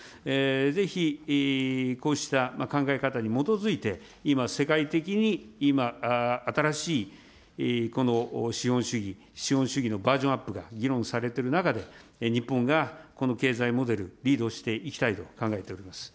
ぜひこうした考え方に基づいて、今、世界的に今、新しい資本主義、資本主義のバージョンアップが議論されている中で、日本がこの経済モデル、リードしていきたいと考えております。